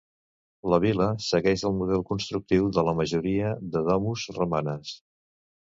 La vil·la segueix el model constructiu de la majoria de domus romanes.